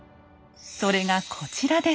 それがこちらです。